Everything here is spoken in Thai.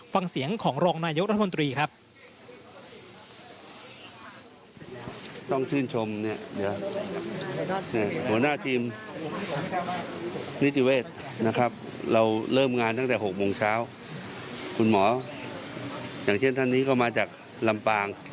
ฟังเสียงของรองนายกรัฐมนตรีครับ